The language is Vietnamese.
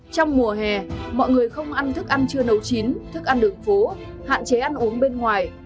trong mùa hè mọi người không ăn thức ăn chưa nấu chín thức ăn đường phố hạn chế ăn uống bên ngoài